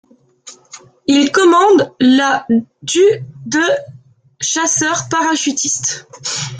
Il commande la du de chasseurs parachutistes.